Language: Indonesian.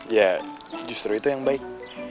ya justru itu yang baik